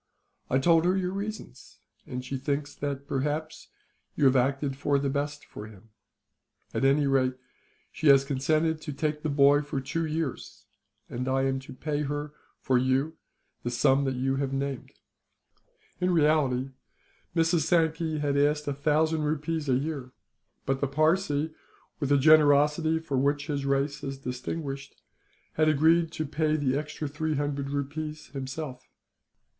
I told her your reasons, and she thinks that, perhaps, you have acted for the best for him. At any rate, she has consented to take the boy for two years; and I am to pay her, for you, the sum that you have named." In reality, Mrs. Sankey asked a thousand rupees a year; but the Parsee, with the generosity for which his race is distinguished, had agreed to pay the extra three hundred rupees himself.